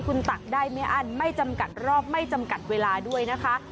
คุณตักได้ไม่อั้นไม่จำกัดรอบไม่จำกัดเวลาด้วยนะคะ